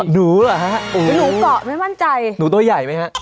หนูหรอฮะ